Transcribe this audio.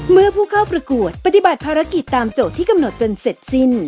เมื่อผู้เข้าประกวดปฏิบัติภารกิจตามโจทย์ที่กำหนดจนเสร็จสิ้น